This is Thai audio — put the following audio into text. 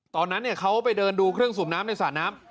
ตอนนั้นเขาไปเดินดูเครื่องสูบน้ำในสระน้ำ